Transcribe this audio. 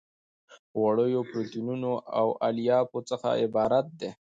غوړیو پروتینونو او الیافو څخه عبارت دي.